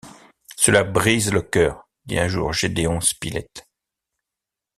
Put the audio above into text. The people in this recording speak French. Cela brise le cœur! dit un jour Gédéon Spilett.